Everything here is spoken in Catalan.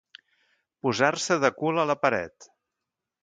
Posar-se de cul a la paret.